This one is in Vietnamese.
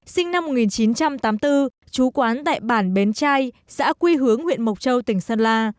sinh năm một nghìn chín trăm tám mươi bốn chú quán tại bản bến trai xã quy hướng huyện mộc châu tỉnh sơn la